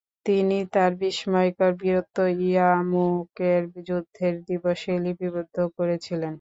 তিনি তাঁর বিস্ময়কর বীরত্ব ইয়ারমুকের যুদ্ধের দিবসে লিপিবদ্ধ করেছিলেন।